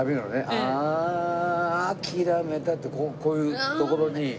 「あーあきらめた」ってこういうところに。